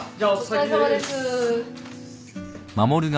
お疲れさまです。